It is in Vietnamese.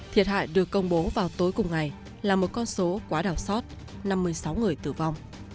thiệt hại được công bố vào tối cùng ngày là một con số quá đào xót năm mươi sáu người tử vong